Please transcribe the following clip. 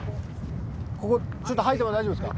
ここちょっと入っても大丈夫ですか？